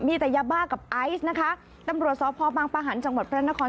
มีแต่ยาบ้ากับไอซ์นะคะตำรวจสพบางประหันต์จังหวัดพระนคร